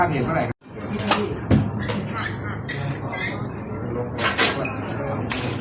อันที่สุดท้ายก็คืออันที่สุดท้ายก็คืออั